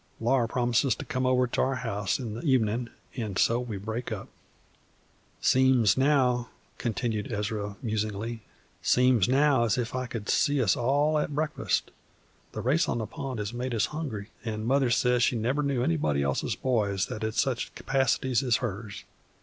Laura promises to come over to our house in the evenin', and so we break up. "Seems now," continued Ezra, musingly, "seems now as if I could see us all at breakfast. The race on the pond has made us hungry, and Mother says she never knew anybody else's boys that had such capac'ties as hers.